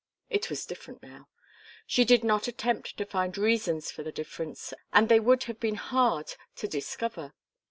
It was different now. She did not attempt to find reasons for the difference, and they would have been hard to discover.